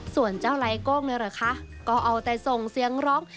ส่วนเจ้าไร้โก้งเนี่ยเหรอคะก็เอาแต่ส่งเสียงร้อง